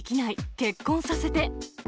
結婚させて！